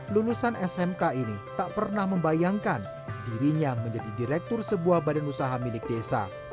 lulusan smk ini tak pernah membayangkan dirinya menjadi direktur sebuah badan usaha milik desa